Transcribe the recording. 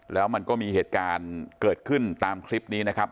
แล้วมันก็มีเหตุการณ์เกิดขึ้นตามคลิปนี้นะครับ